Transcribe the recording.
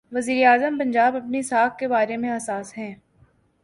وزیر اعلی پنجاب اپنی ساکھ کے بارے میں حساس ہیں۔